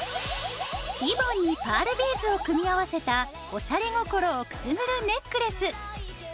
リボンにパールビーズを組み合わせたおしゃれ心をくすぐるネックレス。